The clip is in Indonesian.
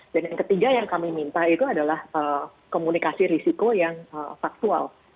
dan yang ketiga yang kami minta itu adalah komunikasi risiko yang faktual